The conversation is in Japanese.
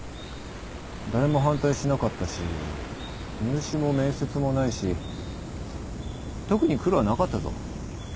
誰も反対しなかったし入試も面接もないし特に苦労はなかったぞ。